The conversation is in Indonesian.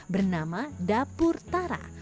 bernama dapur tara